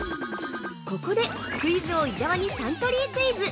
◆ここで、クイズ王・伊沢にサントリークイズ！